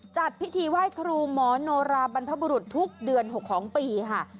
จัดพิธีไหว้ครูหมอโนราบรรพบุรุษทุกเดือน๖ของปีค่ะ